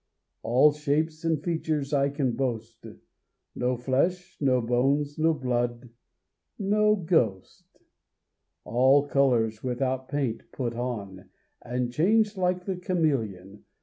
All shapes and features I can boast, No flesh, no bones, no blood no ghost: All colours, without paint, put on, And change like the cameleon.